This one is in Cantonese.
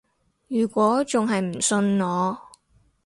如果仲係唔信我